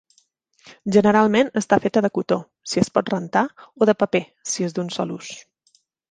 Generalment, està feta de cotó, si es pot rentar, o de paper, si és d'un sol ús.